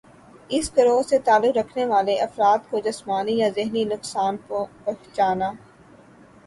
اس گروہ سے تعلق رکھنے والے افراد کو جسمانی یا ذہنی نقصان پہنچانا